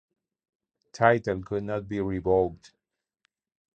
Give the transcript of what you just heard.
Title could not be revoked.